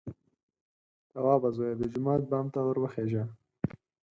_توابه زويه! د جومات بام ته ور وخېژه!